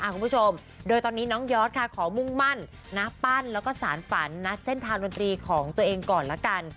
คุณผู้ชมโดยตอนนี้น้องยอดค่ะขอมุ่งมั่นนะปั้นแล้วก็สารฝันนะเส้นทางดนตรีของตัวเองก่อนละกัน